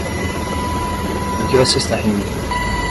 Do que você está rindo?